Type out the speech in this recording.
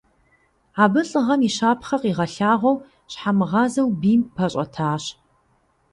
Абы лӀыгъэм и щапхъэ къигъэлъагъуэу, щхьэмыгъазэу бийм пэщӀэтащ.